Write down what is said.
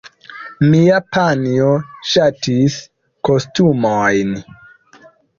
Mia panjo ŝatis kostumojn.